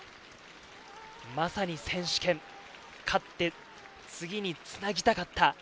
まさに選手権、勝って次につなげたかった